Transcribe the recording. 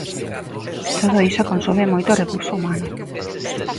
Todo iso consome moito recurso humano.